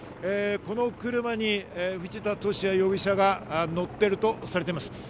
この車に藤田聖也容疑者が乗っているとされています。